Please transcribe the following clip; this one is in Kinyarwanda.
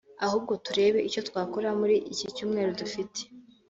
ahubwo turebe icyo twakora muri icyi cyumweru dufite